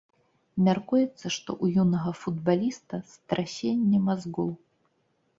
Мяркуецца, што ў юнага футбаліста страсенне мазгоў.